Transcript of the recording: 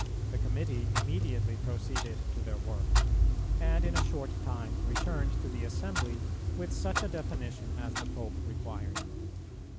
The committee immediately proceeded to their work, and in a short time returned to the assembly with such a definition as the Pope required.